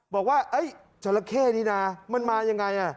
บอกว่าจราเข้นี้นะมันมายังไง